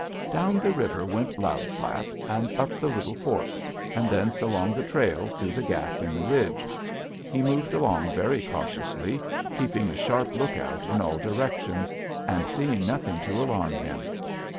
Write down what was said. "Down the river went Loud Slap, and up the little fork, and thence along the trail through the gap in the ridge. He moved along very cautiously, keeping a sharp lookout in all directions, and seeing nothing to alarm him.